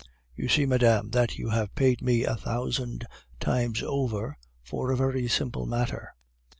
(You see, madame, that you have paid me a thousand times over for a very simple matter.)